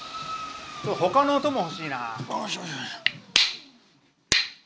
ほかの音も欲しいな。